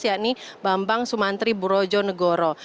yakni bambang sumantri burojo negoro